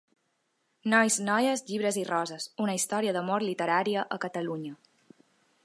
Nois, noies, llibres i roses: una història d’amor literària a Catalunya.